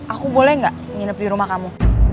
aku boleh nggak nginep di rumah kamu